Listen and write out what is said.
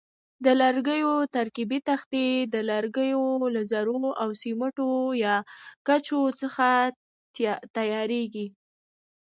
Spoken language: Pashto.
د لرګیو ترکیبي تختې د لرګیو له ذرو او سیمټو یا ګچو څخه تیاریږي.